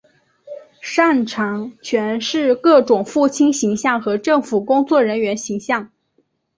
擅长诠释各种父亲形象和政府工作人员形象。